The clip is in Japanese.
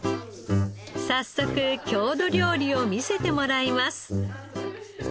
早速郷土料理を見せてもらいます。